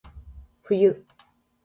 冬